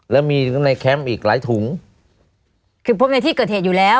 แล้วมีในแคมป์อีกหลายถุงคือพบในที่เกิดเหตุอยู่แล้ว